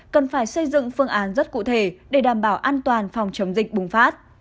cần phải xây dựng phương án rất cụ thể để đảm bảo an toàn phòng chống dịch bùng phát